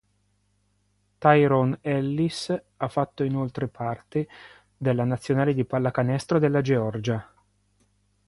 Tyrone Ellis ha fatto inoltre parte della Nazionale di pallacanestro della Georgia.